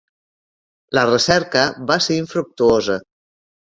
La recerca va ser infructuosa.